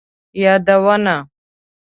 یادونه